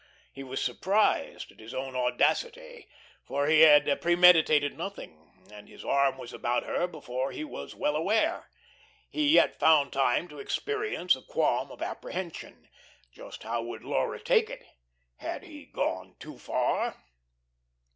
He was surprised at his own audacity, for he had premeditated nothing, and his arm was about her before he was well aware. He yet found time to experience a qualm of apprehension. Just how would Laura take it? Had he gone too far?